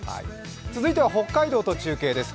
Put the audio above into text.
続いては北海道と中継です。